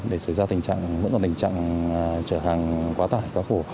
để xảy ra tình trạng mỗi lần tình trạng trở hàng quá tải quá khổ